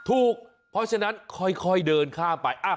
ถูกเพราะฉะนั้นค่อยเดินข้ามไป